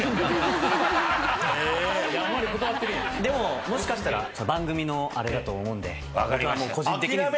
でももしかしたら番組のあれだと思うんで。